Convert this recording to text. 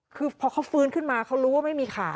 คือพอเขาฟื้นขึ้นมาเขารู้ว่าไม่มีขา